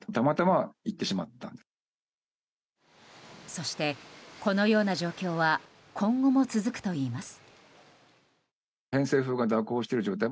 そして、このような状況は今後も続くといいます。